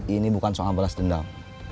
ini bukan soal balas dendam